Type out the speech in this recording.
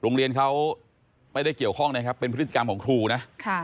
โรงเรียนเขาไม่ได้เกี่ยวข้องนะครับเป็นพฤติกรรมของครูนะ